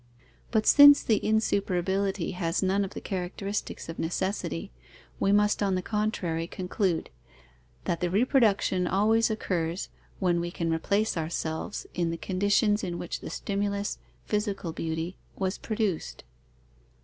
But since the insuperability has none of the characteristics of necessity, we must, on the contrary, conclude: that the reproduction always occurs, when we can replace ourselves in the conditions in which the stimulus (physical beauty) was produced.